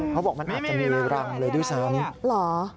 เขาบอกมันอาจจะมีรังเลยด้วยซ้ำเหรอ